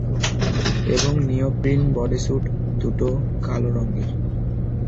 এবং neoprene bodysuit, দুটো, কালো রঙের।